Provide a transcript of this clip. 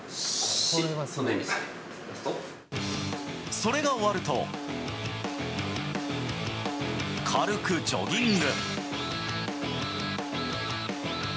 それが終わると、軽くジョギング。